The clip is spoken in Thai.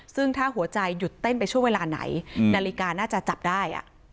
ซึ่งถ้าหัวใจหยุดเต้นไปช่วงเวลาไหนนาฬิกาน่าจะจับได้